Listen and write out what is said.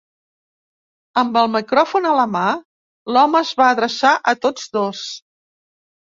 Amb el micròfon a la mà, l’home es va adreçar a tots dos.